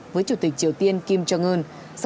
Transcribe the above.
với chủ tịch triều tiên kim jong un